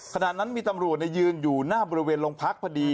ขณะนั้นมีตำรวจยืนอยู่หน้าบริเวณโรงพักพอดี